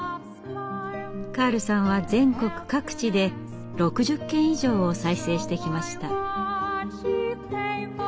カールさんは全国各地で６０軒以上を再生してきました。